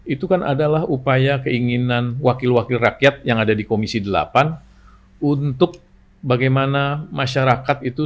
itu kan adalah upaya keinginan wakil wakil rakyat yang ada di komisi delapan untuk bagaimana masyarakat itu